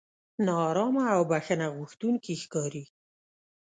نا ارامه او بښنه غوښتونکي ښکاري.